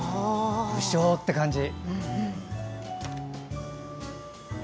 武将って感じ。